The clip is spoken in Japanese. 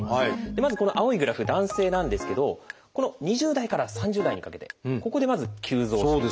まずこの青いグラフ男性なんですけどこの２０代から３０代にかけてここでまず急増している。